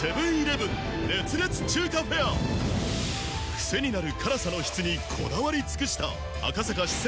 クセになる辛さの質にこだわり尽くした赤坂四川